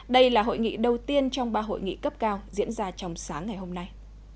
đây là hội nghị đầu tiên trong ba hội nghị cấp cao diễn ra trong sáng ngày hôm nay